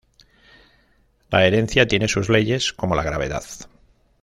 La herencia tiene sus leyes, como la gravedad".